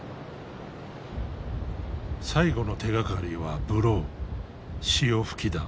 最後の手がかりはブロー潮吹きだ。